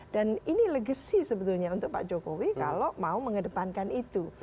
dan ini legacy sebetulnya untuk pak jokowi kalau mau mengedepankan itu